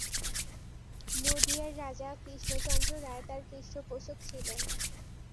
নদিয়ার রাজা কৃষ্ণচন্দ্র রায় তার পৃষ্ঠপোষক ছিলেন।